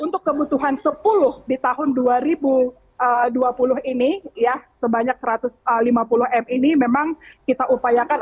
untuk kebutuhan sepuluh di tahun dua ribu dua puluh ini ya sebanyak satu ratus lima puluh m ini memang kita upayakan